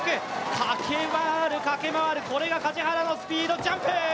駆け回る、駆け回る、これが梶原のスピード、ジャンプ！